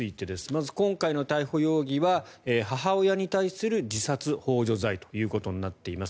まず今回の逮捕容疑は母親に対する自殺ほう助罪ということになっています。